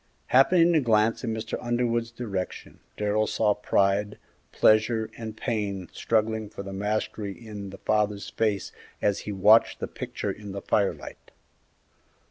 Happening to glance in Mr. Underwood's direction Darrell saw pride, pleasure, and pain struggling for the mastery in the father's face as he watched the picture in the firelight.